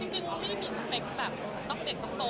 จริงไม่มีสเปคแบบต้องเด็กต้องโต